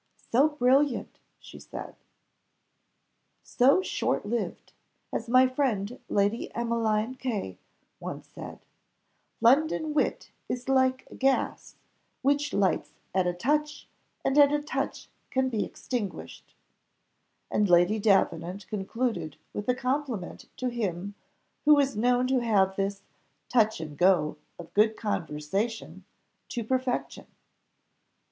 "So brilliant," said she, "so short lived, as my friend Lady Emmeline K once said, 'London wit is like gas, which lights at a touch, and at a touch can be extinguished;'" and Lady Davenant concluded with a compliment to him who was known to have this "touch and go" of good conversation to perfection.